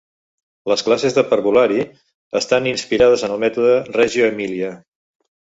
Les classes de parvulari estan inspirades en el mètode Reggio Emilia.